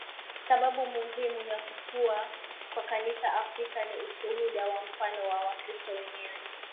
Sababu muhimu ya kukua kwa Kanisa Afrika ni ushuhuda na mfano wa Wakristo wenyewe